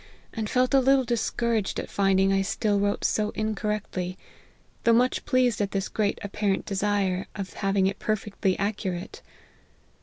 and felt a little discouraged at finding I still wrote so incorrectly, though much pleased at this great apparent desire of having it perfectly accurate.